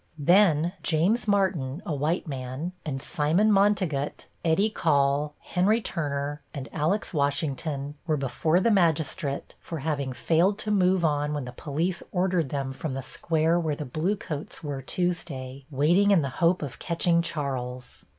"Then James Martin, a white man, and Simon Montegut, Eddie Call, Henry Turner and Alex Washington were before the magistrate for having failed to move on when the police ordered them from the square where the bluecoats were Tuesday, waiting in the hope of catching Charles.